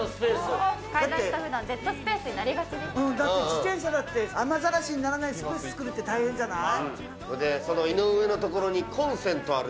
自転車だって雨ざらしにならないスペース作るの大変じゃない。